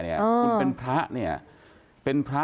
คุณเป็นพระ